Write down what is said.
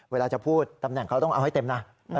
เวลาจะพูดตำแหน่งเขาต้องเอาให้เต็มนะ